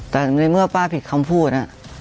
แต่ในเมื่อป้าผิดคำพูด